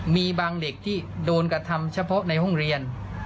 มีบางเด็กที่โดนกระทำเฉพาะในห้องเรียน